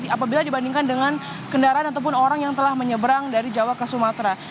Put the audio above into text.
apabila dibandingkan dengan kendaraan ataupun orang yang telah menyeberang dari jawa ke sumatera